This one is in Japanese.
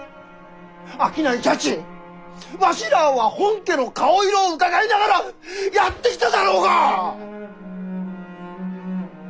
商いじゃちわしらあは本家の顔色をうかがいながらやってきたじゃろうが！